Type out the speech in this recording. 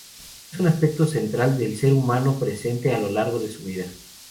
Es un aspecto central del ser humano presente a lo largo de su vida.